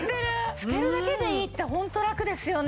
つけるだけでいいってホントラクですよね。